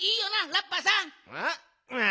ラッパーさん。